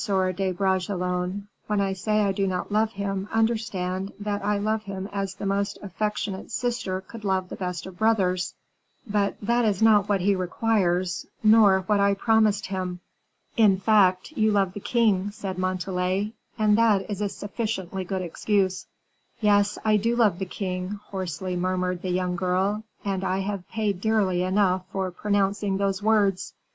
de Bragelonne; when I say I do not love him, understand that I love him as the most affectionate sister could love the best of brothers, but that is not what he requires, nor what I promised him." "In fact, you love the king," said Montalais, "and that is a sufficiently good excuse." "Yes, I do love the king," hoarsely murmured the young girl, "and I have paid dearly enough for pronouncing those words.